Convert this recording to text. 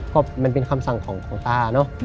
ก็มันเป็นคำสั่งของตาเนอะ